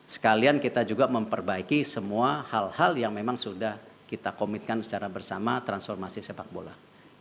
sekalian kita juga memperbaiki semua hal hal yang memang sudah kita komitkan secara bersama transformasi sepak bola